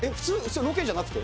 ロケじゃなくて？